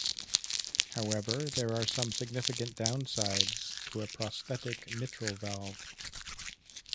However, there are some significant downsides to a prosthetic mitral valve.